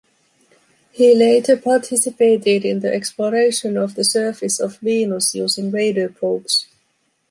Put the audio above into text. He later participated in the exploration of the surface of Venus using radar probes.